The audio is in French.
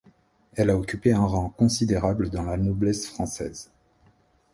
Elle a occupé un rang considérable dans la noblesse française.